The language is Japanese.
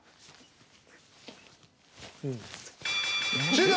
終了。